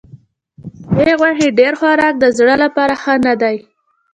د سرې غوښې ډېر خوراک د زړه لپاره ښه نه دی.